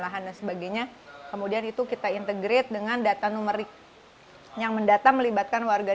lahan dan sebagainya kemudian itu kita integrate dengan data numerik yang mendata melibatkan warga